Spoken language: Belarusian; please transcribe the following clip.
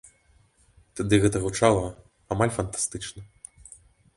Тады гэта гучала амаль фантастычна.